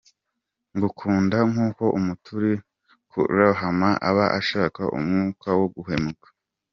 Ngukunda nkuko umuntu uri kurohama aba ashaka umwuka wo guhumeka.